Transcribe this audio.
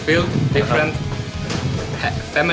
ขอบคุณค่ะขอบคุณค่ะ